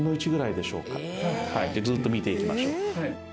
はいずっと見ていきましょう。